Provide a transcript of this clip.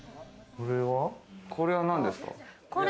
これは何ですか？